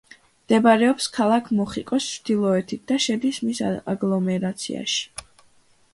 მდებარეობს ქალაქ მეხიკოს ჩრდილოეთით და შედის მის აგლომერაციაში.